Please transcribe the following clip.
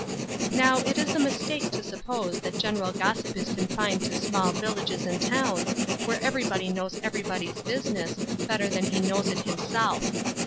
Now, it is a mistake to suppose that general gossip is confined to small villages and towns, where everybody knows everybody's businew Seeking Help. 85 better than he knows it himself.